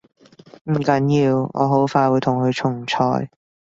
唔緊要，我好快會同佢重賽